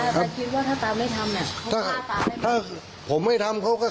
ค่ะยังไงก็รู้นะครับคุณท่านคิดว่าถ้าตาไม่ทำเนี่ย